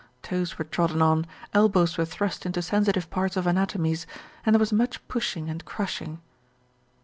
Toes were trodden on, elbows were thrust into sensitive parts of anatomies, and there was much pushing and crushing.